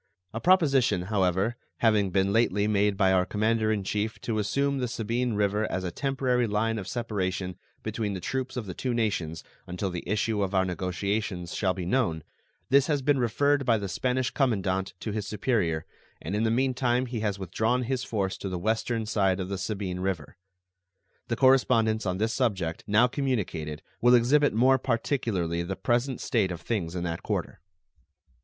A proposition, however, having been lately made by our commander in chief to assume the Sabine River as a temporary line of separation between the troops of the two nations until the issue of our negotiations shall be known, this has been referred by the Spanish commandant to his superior, and in the mean time he has withdrawn his force to the western side of the Sabine River. The correspondence on this subject now communicated will exhibit more particularly the present state of things in that quarter.